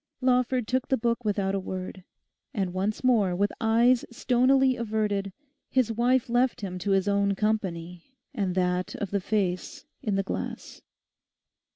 Lawford took the book without a word. And once more, with eyes stonily averted, his wife left him to his own company and that of the face in the glass.